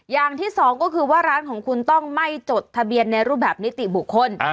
อย่างที่สองก็คือว่าร้านของคุณต้องไม่จดทะเบียนในรูปแบบนิติบุคคล